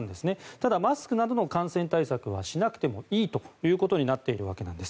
ただ、マスクなどの感染対策はしなくてもいいということになっているんです。